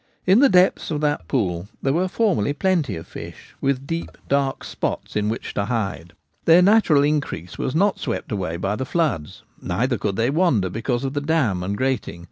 In the depths. of that pool there were formerly plenty of fish, with deep, dark spots in which to hide. Their natural increase was not swept away by floods ; neither could they wander, because of the dam and grating.